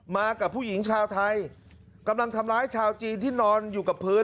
มากับผู้หญิงชาวไทยกำลังทำร้ายชาวจีนที่นอนอยู่กับพื้น